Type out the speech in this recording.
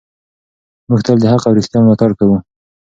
موږ تل د حق او رښتیا ملاتړ کوو.